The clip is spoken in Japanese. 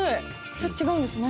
ちょっと違うんですね。